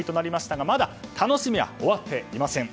ただ、まだ楽しみは終わっていません。